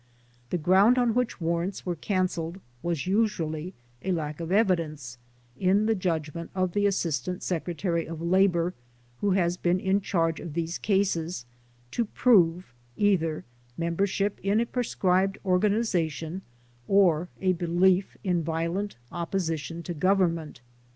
The ground on which warrants were cancelled was usually a lack of evidence, in the judgment of the As sistant Secretary of Labor, who has been in charge of these cases, to prove either membership in a proscribed organization or a belief in violent opposition to govern ment.